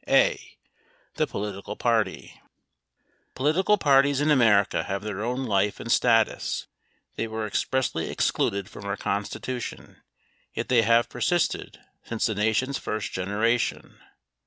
A. The Political Party Political parties in America have their own life and status. They were expressly excluded from our Constitution, yet they have per sisted since the Nation's first generation.